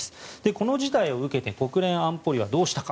この事態を受けて国連安保理はどうしたか。